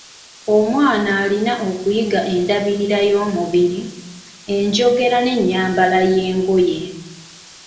Omwana alina okuyiga endabirira y’emubiri, enjogera n'ennyambala y'engoye.